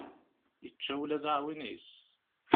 Yečča ula d aɛwin-is.